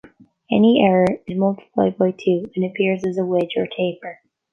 Any error is multiplied by two and appears as a wedge or taper.